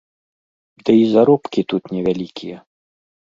Ды і заробкі тут невялікія.